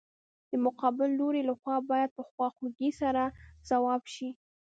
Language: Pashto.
د مقابل لوري له خوا باید په خواخوږۍ سره ځواب شي.